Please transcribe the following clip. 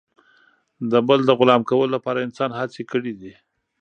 د بل د غلام کولو لپاره انسان هڅې کړي دي.